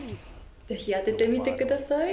ぜひ当ててみてください。